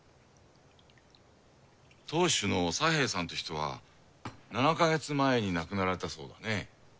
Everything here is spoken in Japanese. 当主の佐兵衛さんという人は７か月前に亡くなられたそうだね。